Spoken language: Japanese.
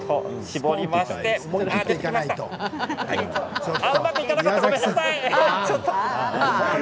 絞りましてああ！